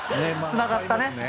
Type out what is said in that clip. つながったね。